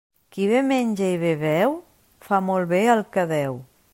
Qui bé menja i bé beu, fa molt bé el que deu.